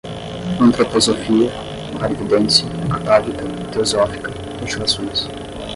antroposofia, clarividência atávica, teosófica, mutilações